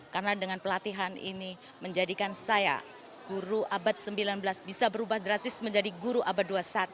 karena dengan pelatihan ini menjadikan saya guru abad sembilan belas bisa berubah gratis menjadi guru abad dua puluh satu